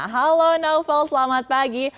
halo naufal selamat pagi